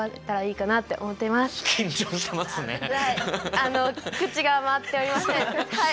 あの口が回っておりませんはい。